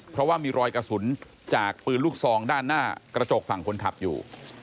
เพราะว่ามีรอยกระสุนจากปืนลูกซองด้านหน้ากระจกฝั่งคนขับอยู่